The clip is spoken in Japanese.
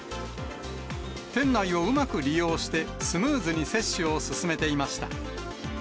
店内をうまく利用して、スムーズに接種を進めていました。